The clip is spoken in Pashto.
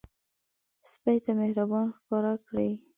سپي ته مهرباني ښکار کړئ.